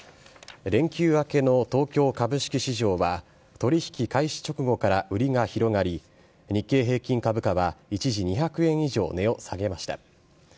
連休明けの東京株式市場は取引開始直後から売りが広がり日経平均株価は一時２００円以上値を下げました。